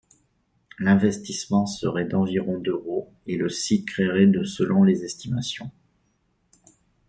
L'investissement serait d'environ d'euros et le site créerait de selon les estimations.